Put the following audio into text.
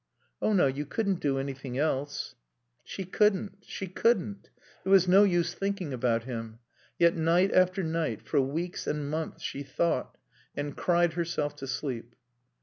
"Oh, no, you couldn't do anything else." She couldn't. She couldn't. It was no use thinking about him. Yet night after night, for weeks and months, she thought, and cried herself to sleep.